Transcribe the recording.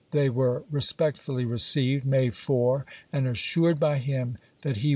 They were respectfully re ceived (May 4) and assured by him that he would isei.